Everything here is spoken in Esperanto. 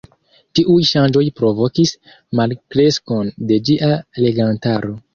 Tiuj ŝanĝoj provokis malkreskon de ĝia legantaro.